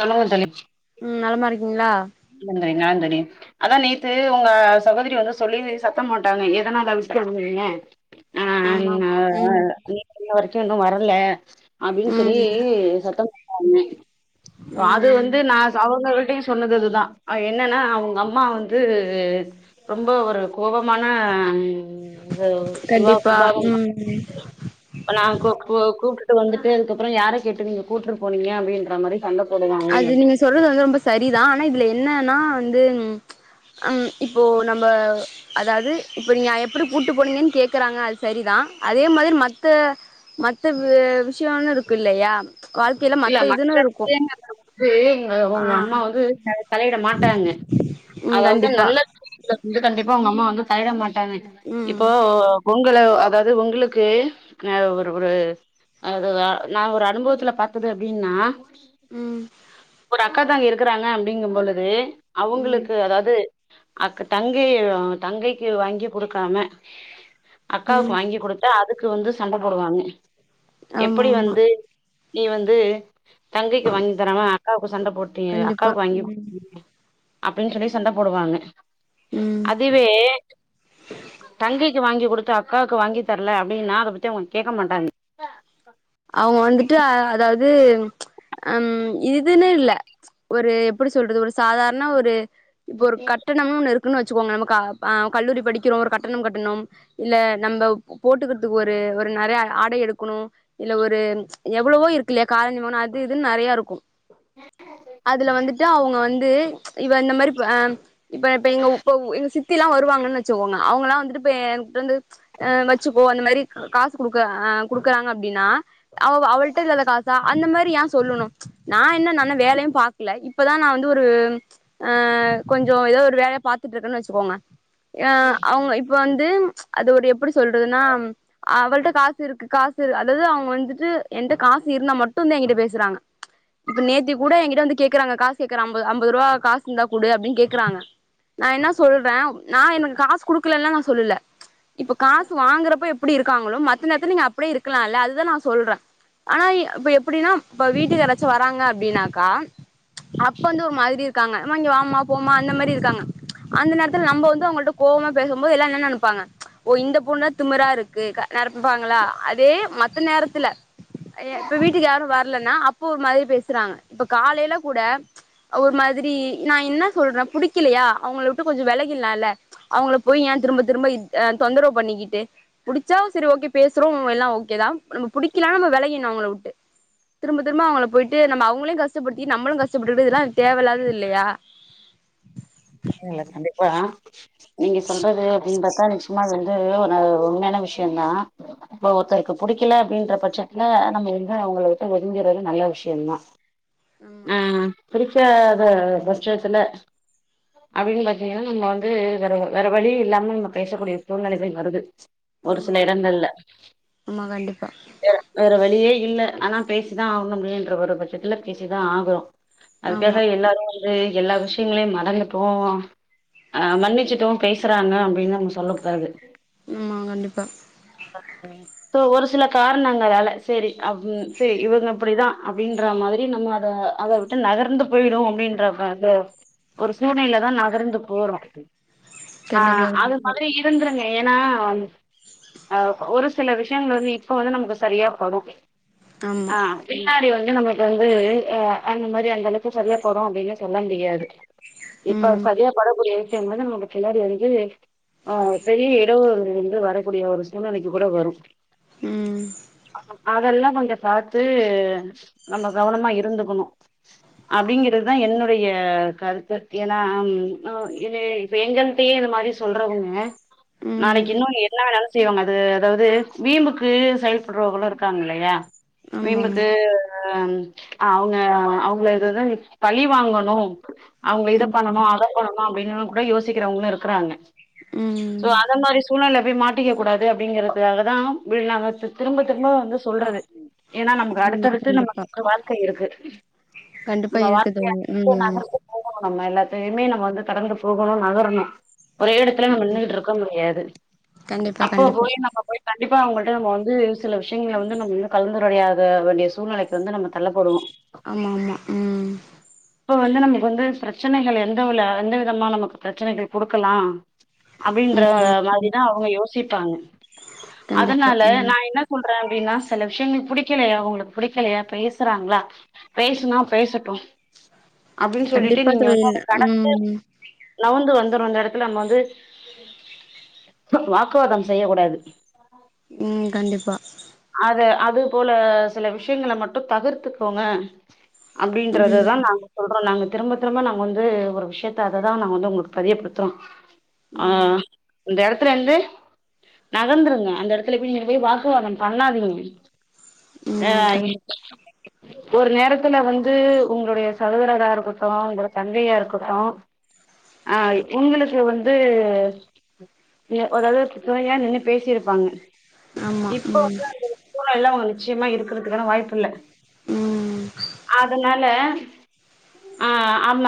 சொல்லுங்க தோழிப் ம் நலமா இருக்கீங்ளா இந்தந்தனி நாந்தனி அதா நேத்து உங்க சகோதரி வந்து சொல்லி சத்தம் போட்டாங்க எதனால விக்கனுங்கிறீங்க அ ஆமா ந ஆமா ம் நி என்ன வரைக்கு இன்னு வரல அப்டின் சொல்லி ம் சத்தம் போட்டாங்க அது ம் வந்து நா சவுங்க கிட்டையு சொன்னது அதுதா அ என்னனா அவுங்கம்மா வந்து ரொம்ப ஒரு கோவமான இது சுதா கண்டிப்பா குபாவங்கள் ம் ப்ப நாங் கூ கூ கூப்டுட்டு வந்துட்டு அதுக்கப்பறோ யாரக் கேட்டு நீங்க கூட்ரு போனீங்க அப்டின்ற மாரி சண்ட போடுவாங்க அது நீங்க சொல்றது வந்து ரொம்ப சரிதா ஆனா இதுல என்னனா வந்து ம் இப்போ நம்ப அதாது இப்ப நீங்க எப்பிடி கூட்டுப் போனீங்கன் கேக்கறாங்க அது சரிதா அதே மாதிரி மத்த மத்த வே விஷ்யனு இருக்கு இல்லையா வாழ்க்கையில இல்ல மத்த மற்ற இதுன்னு இருக்கு விஷ்யங்கள தேங்க ஆ ஒங்க அம்மா வந்து தலையிட மாட்டாங்க ம் அதாவ்து கண்டிப்பா நல்லத் வந்து கண்டிப்பா ஒங்க அம்மா வந்து தலையிட மாட்டாங்க ம் இப்போ ஒங்கள அதாவது ஒங்குளுக்கு அ ஒரு ஒரு அதுதா நா ஒரு அனுபவத்துல பாத்தது அப்டின்னா ம் அக்கா தங்கை இருக்கறாங்க அப்டிங்க பொழுது ம் அவுங்களுக்கு அதாவது அ தங்கை தங்கைக்கு வாங்கி குடுக்காம அக்காவுக்கு ம் வாங்கி குடுத்தா அதுக்கு வந்து சண்ட போடுவாங்க ஆமா எப்படி ஆமா வந்து நீ வந்து தங்கைக்கு வாங்கி தராம அக்காவுக்கு சண்ட போட்டு கண்டிப்பா அக்காவுக்கு வாங்கி ம் குடுக்றிங் அப்டின் சொல்லி சண்ட போடுவாங்க ம் அதுவே தங்கைக் வாங்கி குடுத்து அக்காவுக்கு வாங்கி தர்ல அப்டின்னா அத பத்தி அவுங்க கேட்க மாட்டாங்க அவுங்க வந்துட்டு அதாவது ம் இதுன்னே இல்ல ஒரு எப்டி சொல்றது ஒரு சாதாரண ஒரு இப்போ ஒரு கட்டணம் ஒன்னு இருக்குன்னு வச்சுக்கோங்க நம அ கல்லூரி படிக்கிறோ ஒரு கட்டணம் கட்டணும் இல்ல நம்ம போட்டுக்கிறதுக்கு ஒரு ஒரு நறைய ஆடை எடுக்கணு இல்ல ஒரு எவ்வளவோ இருக்கு இல்லையா காலேஜ் போனா அது இதுன்னு நறைய இருக்கு அதுல வந்துட்டு அவுங்க வந்து இவ இந்த மாரி அ இப்ப இப்ப எங்க இப்ப எங்க சித்திலா வருவாங்கன் வச்சுக்கோங்க அவுங்கல்லா வந்துட்டு இ என்கிட்ட வந்து வச்சுக்கோ அந்த மாரி காசு குடுக்க ஆ குடுக்குறாங் எப்டின்னா அவ அவள்ட்ட இல்லாத காசா அந்த மாரி ஏன் சொல்லணு நா என்ன நன்ன வேலையு பாக்ல இப்பதா நா வந்து ஒரு ஆ கொஞ்சோ ஏதோ ஒரு வேலைய பாத்துட்டு இருக்கன்னு வச்சுக்கோங்க ஆ அவுங்க இப்ப வந்து அது ஒரு எப்டி சொல்றதுன்னா அவள்ட்ட காசு இருக்கு காசு செரி அதாவது அவுங்க வந்துட்டு என்ட்ட காசு இருந்தா மட்டு தா என்கிட்ட பேசுறாங்க இப்ப நேத்தி கூட எங்கிட்ட வந்து கேக்குறாங்க காச கேக்குறம் ஐம்பது ஐம்பது ரூபா காசு இருந்தா குடு அப்படின் கேக்குறாங்க நா என்னா சொல்ற நா எனக்கு காசு குடுக்கலல்ல நா சொல்லுல இப்ப காசு வாங்குறப்ப எப்டி இருக்காங்ளோ மத்த நேரத்துல நீங்க அப்டி இருக்லால அதுதான் நா சொல்ற ஆனா இப்ப எப்டின்னா இப்ப வீட்டுக்கு யராச்சு வராங்க அப்படினாக்கா அப்ப வந்து ஒரு மாதிரி இருக்காங்க மா இங்க வாமா போமா அந்த மாரி இருக்காங்க அந்த நேரத்துல நம்ம வந்து அவுங்கள்ட்ட கோவமா பேசும்போது எல்லா என்ன நெனப்பாங்க ஓ இந்த பொண்ணா திமரா இருக்கு நிரப்பாங்ளா அதே மத்த நேரத்துல இப்ப வீட்டுக்கு யாரு வர்லன்னா அப்போ ஒரு மாதிரி பேசுறாங்க இப்ப காலைல கூட ஒரு மாதிரி நா என்ன சொல்ற புடிக்கிலியா அவுங்கள விட்டு கொஞ்ச விலகில்லால்ல அவுங்கள போய் ஏன் திரும்ப திரும்ப தொந்தரவு பண்ணிக்கிட்டு புடிச்சா செரி ஓகே பேஸ் ரோ எல்லா ஓகே தா நம்ம புடிக்கலா நம்ம விளகிணு அவுங்கள உட்டு திரும்ப திரும்ப அவங்களை போயிட்டு நம்ம அவுங்களையு கஷ்டப்படுத்தி நம்மளு கஷப்பட்டுட்டு இதெல்லா தேவயில்லாதது இல்லையா இல்ல கண்டிப்பா நீங்க சொல்றது அப்டின் பாத்தா எல்லா வந்து உன உண்மையான விஷயம் தா இப்ப ஒருத்தருக்கு புடிக்கல அப்டின்ற பட்சத்துல நம்ம வந்து அவுங்கள விட்டு ஒதுங்கிறது நல்ல விஷ்யதா ஆமா ஆ புடிக்காத பட்சத்துல அப்டின்னு பாத்தீங்கனா நம்ம வந்து வேற வேற வழி இல்லாம நம்ம பேசக்கூடிய சூழ்நிலைகள் வருது ஒரு சில ம் இடங்கள்ல ஆமா கண்டிப்பா வேற வழியே இல்ல ஆனா பேசிதா ஆவுணுமேன்ற ஒரு பட்சத்துல பேசிதா ஆகுறோ ஆமா அதுக்காக எல்லாரு வந்து எல்லா விஷயங்களையு மறந்துட்டோ ஆ மன்னிச்சுட்டோ பேசுறாங்க அப்டின்லா சொல்ல கூடாது ஆமா கண்டிப்பா [inaudible] சோ ஒரு சில காரணங்களால செரி அப்டின் செரி இவுங்க இப்டிதா அப்டின்ற மாரி எ நம்ம அத அத விட்டு நகர்ந்து போயிடுவோ அப்டின்றத அதொ ஒரு சூழ்நிலைலதா நகர்ந்து போறோ ஆ கண்டிப்பா அது கண்டிப்பா மாதிரி இருந்துருங்க ஏனா அ‌ ஒரு சில விஷ்யங்கள் வந்து இப்ப வந்து நமக்கு சரியா படு ஆமா ஆ பின்னாடி வந்து நம்ம ல வந்து அ அந்த மாதிரி அந்த அளவுக்கு சரியா படு அப்டின்னு சொல்ல முடியாது இப்ப அது ம் சரியா படக்கூடிய விஷ்யங்கள நம்ள்க்கு பின்னாடி வந்து ஆ பெரிய இடவு ஒண்ணு வந்து வரக்கூடிய ஒரு சூழ்நெலைக்கு கூட வரு ம் அதெல்லா கொஞ்சோ பாத்து நம்ம கவனமா இருந்துக்கணு அப்டிங்கறதுதா என்னுடய கருத்து ஏனா அ இதே வேங்கள்ட்டயே இந்த மாரி சொல்றவங்க ம் நாளைக்கு இன்னொனு என்ன வேணாலு செய்வாங்க அது அதாவது வீம்புக்கு செயல்படறவங்களு இருக்காங்க இல்லயா ஆமா ஆமா வீம்புக்கு அ அவுங்க அவுங்கள எதாது பழி வாங்கணு அவுங்க இத ம் பண்ணணு அத பண்ணணு அப்டினு கூட யோசிக்கிறவங்ளு இருக்கறாங்க ம் சோ அத மாரி சூழ்நெலைல போய் மாட்டிக்க கூடாது அப்டிங்கறதுக்காக வி ந திரும்ப திரும்ப வந்து சொல்றது ஏனா நமக்கு ம் அடுத்தடு த்து கண்டிப்பா நமக்கு வாழ்க்கை இருக்கு கண்டிப்பா நம்ம இருக்கு வாழ்க்கை தோழி [inaudible] ம் நகருது போகணு நம்ம எல்லாத்துலயுமே நம்ம வந்து கடந்து போகணு நகருணு ஒரே எடத்துல நம்ம நின்னுட்ருக்க முடியாது கண்டிப்பா அப்போ கண்டிப்பா போய் நம்ம போய் கண்டிப்பா அவுங்கள்ட்ட நம்மோ வந்து சில விஷ்யங்கள வந்து நம்ம இன்னு கலந்துரையாத வேண்டிய சூழ்நிலைக்கு வந்து நம்ம தள்ளப்படுவோ ஆமாமா ம் இப்ப வந்து நமக்கு வந்து பிரச்சனைகள் எந்தவுல எந்த விதமா நமக்கு பிரச்சனைகள் குடுக்கலா அப்டின்ற ம் கண் மாரிதா அவுங்க யோசிப்பாங்க கண்டிப்பா அதனால ம் நா என்ன சொல்ற அப்டினா சில விஷ்யங்கள் புடிக்கலயா அவுங்களுக்கு புடிக்கலயா பேசுறாங்ளா பேசுனா பேசட்டு அப்டின்னு சொல்லிட்டு கண்டிப்பா நீங்க தோழி வந்து அத கடந்து ம் நவுந்து வந்துரு அந்த எடத்துல நம்ம வந்து வாக்குவாதம் செய்ய கூடாது ம் கண்டிப்பா அத அது போல சில விஷ்யங்கள மட்டு தகுர்த்துக்கோங்க அப்டின்ற ம் சொல்றோ நாங்க திரும்ப திரும்ப நாங்க வந்து ஒரு விஷ்யத்த அததா நாங்க வந்து உங்களுக்கு பதியப்படுத்துறோ ஆ ம் அந்த எடத்துலந்து நகர்ந்துருங்க அந்த எடத்துல போய் நீங்க போய் வாக்குவாதோ பண்ணாதீங்க ஆ ம் கண்டிப்பா ஒரு நேரத்துல வந்து உங்களுடய சகோதரராருக்கட்டு உங்கள தங்கையாருக்கட்டு ஆ உங்களுக்கு வந்து அதாவது துணையா நின்னு பேசிருப்பாங்க ஆமா இப்ப ம் வந்து அந்த சூழ்நெலைல அவுங்க நிச்சயமா இருக்றதுக்கான வாய்ப்பில்ல ம் அதனால ஆ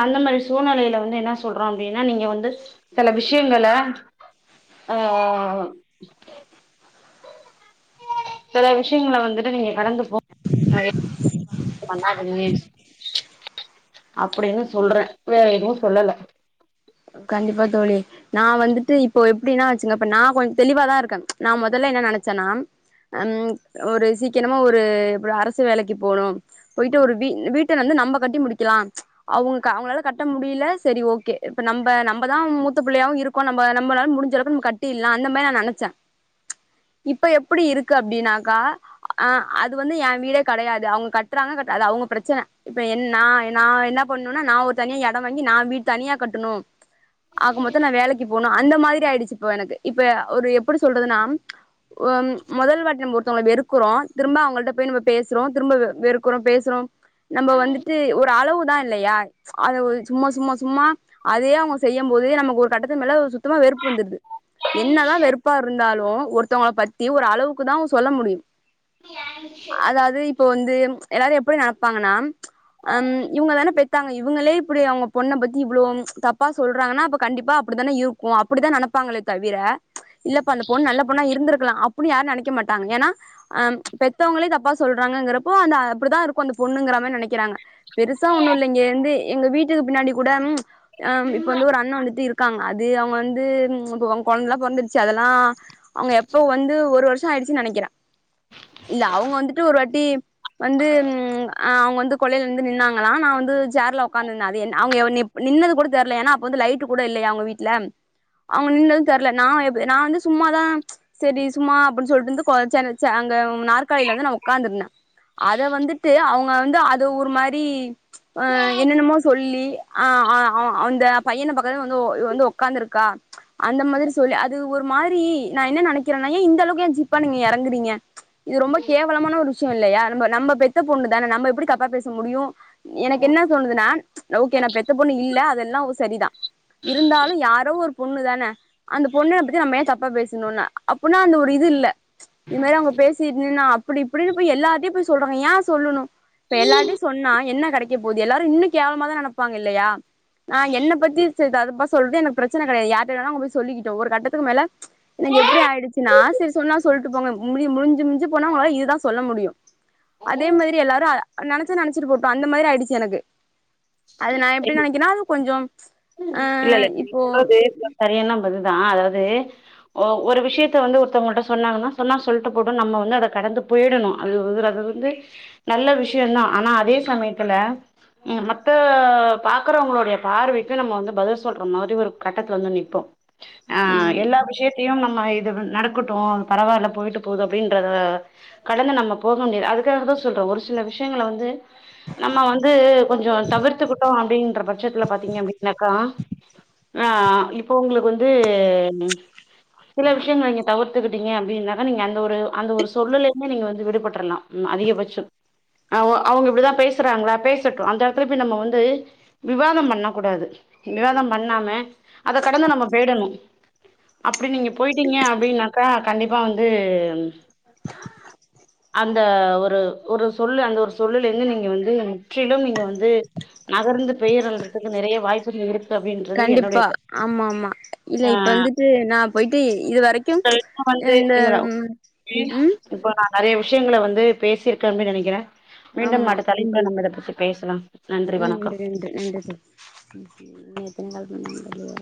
அந்த மாரி சூழ்நிலைல வந்து என்ன சொல்றோ அப்டினா நீங்க வந்து சில விஷ்யங்கள ஆ சில விஷ்யங்கள வந்துட்டு நீங்க கடந்து போ [inaudible] அது அப்டின்னு சொல்றன் வேற எதுவு சொல்லல கண்டிப்பா தோழி நா வந்துட்டு இப்போ எப்டினா வச்சுங்க இப்ப நா கொஞ்ச தெளிவாதா இருக்கே நா முதல்ல என்ன நெனச்சேனா ம் ஒரு சீக்கிரமா ஒரு இப் அரசு வேலைக்கி போணு போயிட்டு ஒரு வீ வீட்ட வந்து நம்ம கட்டி முடிக்கலா அவுங்க அவுங்களால கட்ட முடியல செரி ஓகே இப்ப நம்ம நம்மதா மூத்த பிள்ளையாவு இருக்கோ நம் நம்மளால முடுஞ்ச அளவுக்கு நம்ம கட்டிலா அந்த மாரி நா நெனச்சே இப்ப எப்டி இருக்கு அப்டினாக்கா அ அது வந்து எ வீடே கெடையாது அவுங்க கட்றாங்க கட் அது அவுங்க பிரச்சன இப்ப என்ன நா நா என்ன பண்ணுனா நா ஒரு தனியா எட வாங்கி நா வீட் தனியா கட்டணு ஆகமொத்த நா வேலைக்கி போனு அந்த மாதிரி ஆயிடுச்சு இப்ப எனக்கு இப்ப ஒரு எப்டி சொல்றதுனா உம் மொதல் வாட்டி ஒருத்தவங்கள வெறுக்குறோ திரும்ப அவங்கள்ட்ட போய் நம்ம பேசுறோ திரும்ப வெறுக் க்றோ பேசுறோ நம்ம வந்துட்டு ஒரு அளவுதா இல்லையா அது சும்மா சும்மா சும்மா அதையே அவங்க செய்யும்போது நமக்கு ஒரு கட்டத்துக்கு மேல சுத்தமா வெறுப்பு வந்துருது என்னதா வெறுப்பா இருந் தாலு ஒருத்தவங்ள பத்தி ஒரு அளவுக்கு தா சொல்ல முடியு அதாவது இப் இப்ப வந்து எல்லாரு எப்டி நடப்பாங்கன்னா ஹம் இவங்க தானே பெத்தாங்க இவங்களே இப்டி அவங்க பொண்ண பத்தி அவ்ளோ தப்பா சொல்றாங்கன்னா அப்போ கண்டிப்பா அப்டி தானே இருக்கு அப்டி தா நெனப்பாங்களே தவிர இல்லப்ப அந்த பொண்ணு நல்ல பொண்ணா இருந்திருக்கலா அப்டினு யாரு நெனைக்க மாட்டாங்க ஏனா அ பெத்தவங்ளே தப்பா சொல்றாங்கிறப்போ அந்த அப்டிதா இருக்கு அந்த பொண்ணுங்கிற மாரி நெனக் கிறாங்க பெருசா ஒண்ணு இல்லைங்க இங்க இருந்து எங்க வீட்டுக்கு பின்னாடி கூட அம் இப்ப வந்து ஒரு அண்ணன் வந்துட்டு இருக்காங்க அது அவங்க வந்து இப்ப அவங்க கொழந்தல்லா பொறந்துட்ச்சு அதெல்லா அவங்க எப்ப வந்து ஒரு வர்ஷ ஆயிடுச்சுன்னு நெனைக்கிற இல்ல அவுங்க வந்துட்டு ஒரு வாட்டி வந்து ம் அவுங்க வந்து கொள்ளையில வந்து நின்னாங்களா நா வந்து சேர்ல உக்காந்துருந்தே அது என் அவுங்க என்னைய பாத் நின்னது கூட தெர்ல ஏனா அப்ப வந்து லைட் கூட இல்லையா அவுங்க வீட்ல அவுங்க நின்னது தெர்ல நா நா வந்து சும்மாதா செரி சும்மா அப்டினு சொல்ட்டு வந்து கொ சே சே அங்க நாற்காலில வந்து நா உக்கார்ந்திருந்தே அத வந்துட்டு அவுங்க வந்து அத ஒரு மாரி ஆ என்னென்னமோ சொல்லி ஆ ஆ அவ அந்த பையன பாக்கத வந்து இவ வந்து உக்காந்திருக்கா அந்த மாதிரி சொல்லி அது ஒரு மாரி நா என்ன நெனைக்கிறேனா ஏ இந்த அளவுக்கு ஏ ஜிப்பா நீங்க இறங்குறீங்க இது ரொம்ப கேவலமான ஒரு விஷயோ இல்லையா நம்ம நம்ம பெத்த பொண்ணு தானே நம்ம எப்டி தப்பா பேச முடியு எனக்கு என்ன சொன்னுதுனா ஓகே நா எத்த பொண்ணு இல்ல அதெல்லா ஓ செரிதா இருந்தாலு யாரோ ஒரு பொண்ணு தானே அந்த பொண்ண பத்தி நம்ம ஏ தப்பா பேசணும்னு அப்டினா அந்த ஒரு இது இல்ல இது மாரி அவங்க பேசிட் நின்னா அப்டி இப்டின்னு போய் எல்லார்டையு போய் சொல்றாங்க ஏ சொல்லணு இப்ப எல்லார்டையு சொன்னா என்ன கிடைக்க போது எல்லாரு இன்னு கேவலமாதா நெனப்பாங்க இல்லையா ஆ என்ன பத்தி சொ ததுப்ப சொல்றது எனக்கு பிரச்சன கெடையாது யார்ட்ட வேன அவங்க போய் சொல்லிக்கிட்டு ஒரு கட்டத்துக்கு மேல எனக்கு எப்டி ஆயிடுச்சுன்னா செரி சொன்னா சொல்ட்டு போங்க முடி முடிஞ்சு முஞ்சு போனா உங்ளால இதுதா சொல்ல முடியு அதே மாதிரி எல்லாரு நெனச்சா நெனச்சிட்டு போட்டு அந்த மாதிரி ஆயிடுச்சு எனக்கு அது நா எப்டி நெனைக்கன்னா அது கொஞ்சோ ஆ இல்ல இல்ல நீங்க இப்போ சொல்றது [inaudible] செரியான பதில்தா அதாவது ஒரு விஷயத்த வந்து ஒருத்தவங்கள்ட்ட சொன்னாங்கன்னா சொன்னால் சொல்ட்டு போட்டு நம்ம வந்து அத கடந்து போயிடணு அது வந்து அது வந்து நல்ல விஷயந்தா ஆனா அதே சமயத்துல ம் மத்த பாக்குறவங்களுடைய பார்வை க்கு நம்ம வந்து பதில் சொல்ற மாரி ஒரு கட்டத்துல வந்து நிப்போ அ ம் எல்லா விஷயத்தையும் நம்ம இது நடக்கட்டும் பரவால்ல போயிட்டு போகுது அப்படின்றத கடந்து நம்ம போக முடியாது அதுக்காக தான் சொல்ற ஒரு சில விஷயங்கள வந்து நம்ம வந்து கொஞ்சம் தவிர்த்துக்கிட்டோம் அப்படின்ற பட்சத்துல பாத்தீங்க அப்படின் பா ஆ இப்போ உங்களுக்கு வந்து சில விஷயங்க நீங்க தவிர்த்துக்கிட்டீங்க அப்டினாக்க நீங்க அந்த ஒரு அந்த ஒரு சொல்லலை அந்த மாரி நீங்க வந்து விடுபட்ரலாம் அதிகபட்சம் அவ அவங்க இப்படிதான் பேசுறாங்களா பேசட்டும் அந்த எடத்துல இப்படி நம்ம வந்து விவாதம் பண்ண கூடாது விவாதம் பண்ணாம அத கடந்து நம்ம பெயிரணும் அப்டி நீங்க போயிட்டீங்க அப்படின்னாக்கா கண்டிப்பா வந்து அந்த ஒரு ஒரு சொல்லு அந்த ஒரு சொல்லல இருந்து நீங்க வந்து முற்றிலும் நீங்க வந்து நகர்ந்து பெயர்ழதுக்கு நிறையா வாய்ப்புகள் இரு கண்டிப்பா ஆமா ஆமா இல்ல ஆ இப்ப வந்துட்டு நா போயிட்டு இதுவரைக் [unintelligible] வந்து இல்ல ம் இப்போ நா நிறைய விஷயங்கள வந்து பேசியிருக்கேன் அப்டின்னு நினைக்கிறேன் மீண்டும் ஆமா அடுத்த அழைப்புல நம்ம இத பத்தி பேசலாம் ம் உண்டு ரண்டு இண்டு [unintelligible] இன்னும் எத்தன நாள் பண்ணு தெரிலயே